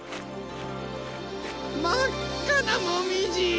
まっかなもみじ！